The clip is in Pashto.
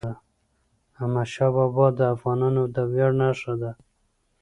احمدشاه بابا د افغانانو د ویاړ نښه ده.